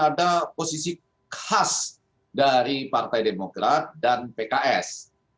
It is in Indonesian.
ada posisi khas dari partai demokrat dan pks